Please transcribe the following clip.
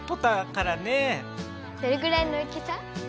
どれぐらいの大きさ？